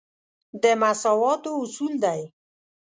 د مساواتو اصول دی.